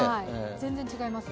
全然違います。